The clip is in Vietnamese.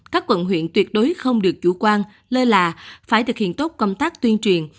các quận huyện tuyệt đối không được chủ quan lơ là phải thực hiện tốt công tác tuyên truyền